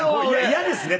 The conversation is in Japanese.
嫌ですね